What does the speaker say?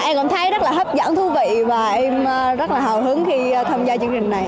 em cảm thấy rất là hấp dẫn thú vị và em rất là hào hứng khi tham gia chương trình này